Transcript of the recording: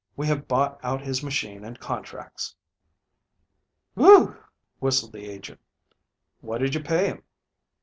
We have bought out his machine and contracts." "Whew!" whistled the agent. "What did you pay him?"